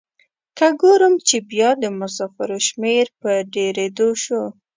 که ګورم چې بیا د مسافرو شمیر په ډیریدو شو.